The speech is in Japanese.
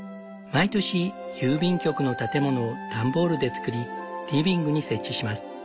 毎年郵便局の建物を段ボールで作りリビングに設置します。